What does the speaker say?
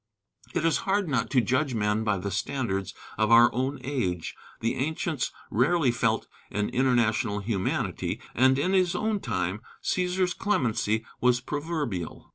It is hard not to judge men by the standards of our own age. The ancients rarely felt an international humanity, and in his own time "Cæsar's clemency" was proverbial.